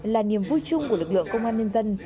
là niềm vui chung của lực lượng công an nhân dân